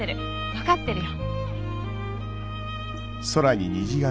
分かってるよ。